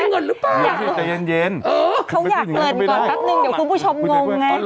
เย็นเขาอยากเกินก่อนแป๊บนึงกับคุณผู้ชมงงไง